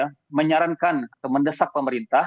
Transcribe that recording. kami menyarankan kemendesak pemerintah